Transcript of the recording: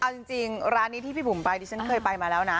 เอาจริงร้านนี้ที่พี่บุ๋มไปดิฉันเคยไปมาแล้วนะ